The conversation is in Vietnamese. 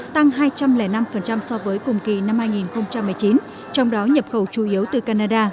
tăng hai trăm linh năm so với cùng kỳ năm hai nghìn một mươi chín trong đó nhập khẩu chủ yếu từ canada